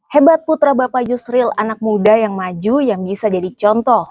hebat putra bapak yusril anak muda yang maju yang bisa jadi contoh